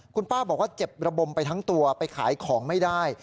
คุณป้าบอกว่าเจ็บระบมไปทั้งตัวไปขายของไม่ได้